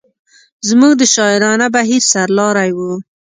زموږ د شاعرانه بهیر سر لاری و.